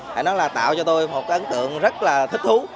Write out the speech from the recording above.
phải nói là tạo cho tôi một cái ấn tượng rất là thích thú